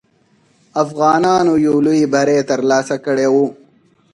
افغانانو یو لوی بری ترلاسه کړی وو.